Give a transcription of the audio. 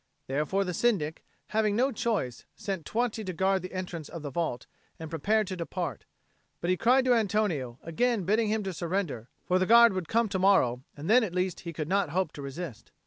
Therefore the Syndic, having no choice, set twenty to guard the entrance of the vault and prepared to depart. But he cried to Antonio, again bidding him to surrender, for the Guard would come to morrow, and then at least he could not hope to resist.